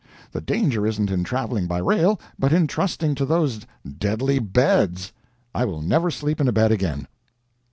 "The danger isn't in traveling by rail, but in trusting to those deadly beds. I will never sleep in a bed again."